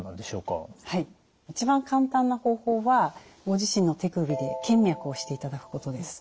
一番簡単な方法はご自身の手首で検脈をしていただくことです。